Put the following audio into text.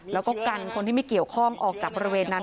แล้วก็กันคนที่ไม่เกี่ยวข้องออกจากบริเวณนั้น